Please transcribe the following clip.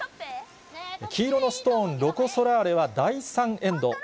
黄色のストーン、ロコ・ソラーレは、第３エンド。